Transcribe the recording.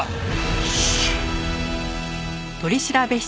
よし！